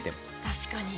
確かに。